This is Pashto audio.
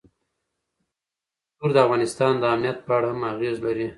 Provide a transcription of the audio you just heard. کلتور د افغانستان د امنیت په اړه هم اغېز لري.